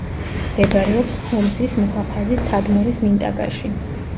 მდებარეობს ჰომსის მუჰაფაზის თადმორის მინტაკაში.